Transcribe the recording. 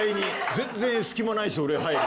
全然隙間ないし俺入る。